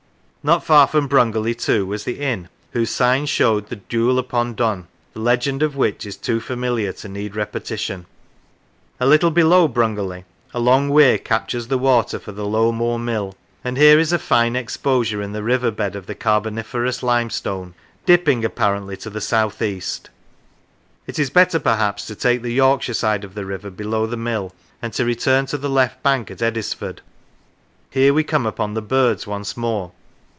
Not far from Brungerley, too, was the inn whose sign showed the Dule upon Dun, the legend of which is too familiar to need repetition. A little below Brungerley a long weir captures the water for the Low Moor mill, and here is a fine exposure in the river bed of the Carboniferous limestone, dipping, apparently, 128 The Rivers to the south east. It is better, perhaps, to take the Yorkshire side of the river below the mill, and to return to the left bank at Eddisford. Here we come upon the birds once more.